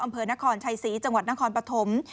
อำเภอนครชัยศรีจังหวัดนครปฐม